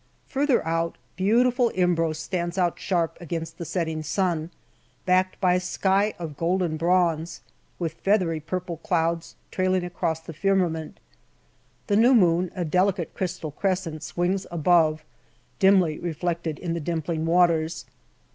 Further out, beautiful Imbros stands out sharp against the setting sun, backed by a sky of golden bronze, with feathery purple clouds trailing across the firmament ; the new moon a delicate crystal crescent swings above, dimly reflected in the dimpling waters.